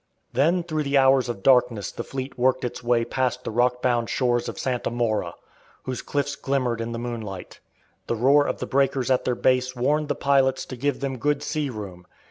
Then through the hours of darkness the fleet worked its way past the rock bound shores of Santa Maura, whose cliffs glimmered in the moonlight. The roar of the breakers at their base warned the pilots to give them good sea room.